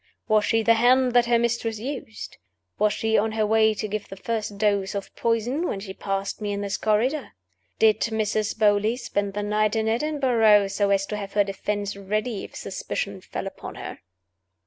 "Was she the Hand that her mistress used? Was she on her way to give the first dose of poison when she passed me in this corridor? Did Mrs. Beauly spend the night in Edinburgh so as to have her defense ready, if suspicion fell upon her?"